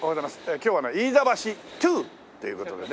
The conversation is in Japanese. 今日はね飯田橋２という事でね。